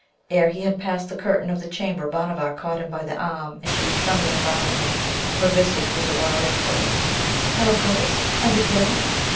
Ere he had passed the curtain of the chamber Bhanavar caught him by the arm, and she was trembling violently. Her visage was a wild inquiry: 'Thou goest? and again?